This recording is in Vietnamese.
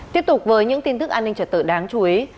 tiếp tục với những tin tức an ninh trật tự đáng chú ý